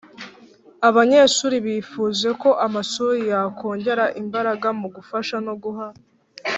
Abanyeshuri bifuje ko amashuri yakongera imbaraga mu gufasha no guha